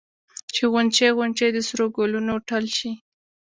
چې غونچې غونچې د سرو ګلونو ټل شي